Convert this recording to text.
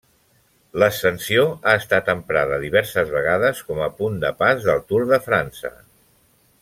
L'ascensió ha estat emprada diverses vegades com a punt de pas del Tour de França.